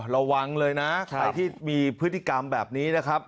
ระวังเลยนะใครที่มีพฤติกรรมแบบนี้นะครับ